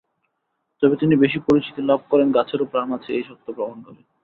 তবে তিনি বেশি পরিচিতি লাভ করেন গাছেরও প্রাণ আছে—এই সত্য প্রমাণ করে।